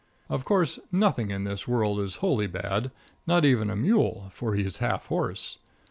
Of course, nothing in this world is wholly bad, not even a mule, for he is half horse.